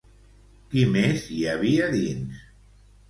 Qui més hi havia dins?